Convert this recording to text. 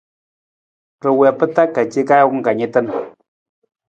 Ra wii pa taa ka ajukun tan ka ce.